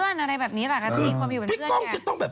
เออถ้ามีความมาอยู่เป็นเพื่อนใช่เล่นค่ะอื้อคือพี่ก๊องจะต้องแบบ